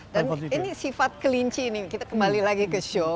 dan ini sifat kelinci ini kita kembali lagi ke show